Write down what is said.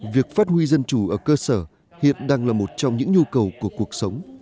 việc phát huy dân chủ ở cơ sở hiện đang là một trong những nhu cầu của cuộc sống